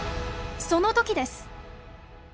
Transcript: その時です！